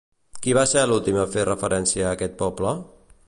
Qui va ser l'últim a fer referència a aquest poble?